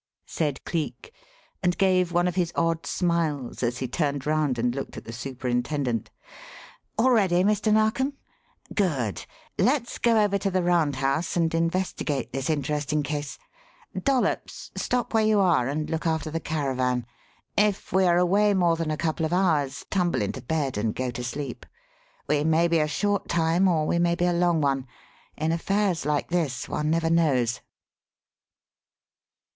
said Cleek; and gave one of his odd smiles as he turned round and looked at the superintendent. "All ready, Mr. Narkom? Good! Let us go over to the Round House and investigate this interesting case. Dollops, stop where you are and look after the caravan. If we are away more than a couple of hours, tumble into bed and go to sleep. We may be a short time or we may be a long one. In affairs like this one never knows."